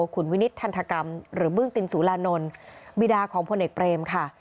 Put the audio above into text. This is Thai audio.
ขุนวินิทธรรภกรรมหรือเบื้องตินสุรานนท์บิดาของผลเอกเปรมค่ะ